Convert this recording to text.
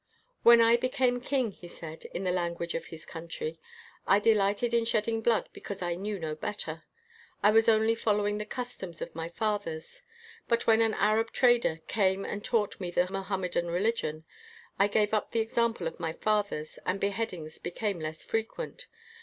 "When I became king," he said, in the language of his country, "I delighted in shedding blood because I knew no better. I was only following the customs of my fathers ; but, when an Arab trader came and taught me the Mohammedan religion, I gave up the example of my fathers, and behead ings became less frequent.